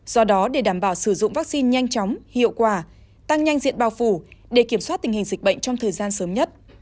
do đó để đảm bảo sử dụng vaccine nhanh chóng hiệu quả tăng nhanh diện bao phủ để kiểm soát tình hình dịch bệnh trong thời gian sớm nhất